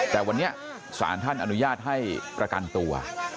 แต่วันนี้ศาลท่านอนุญาตให้ประกันตัว